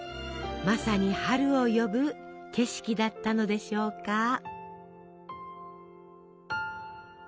まさに春を呼ぶ景色だったのでしょうか？